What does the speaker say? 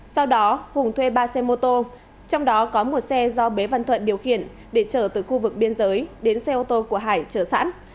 sau đó hùng thuê ba xe mô tô trong đó có một xe do bế văn thuận điều khiển để chở từ khu vực biên giới đến xe ô tô của hải chở sẵn